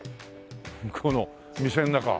向こうの店の中。